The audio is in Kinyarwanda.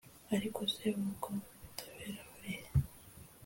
Ariko se ubwo butabera burihe